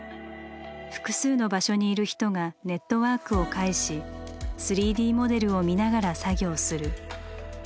複数の場所にいる人がネットワークを介し３Ｄモデルを見ながら作業する。